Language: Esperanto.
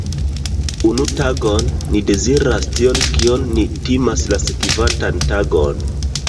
Unu tagon, ni deziras tion, kion ni timas la sekvantan tagon.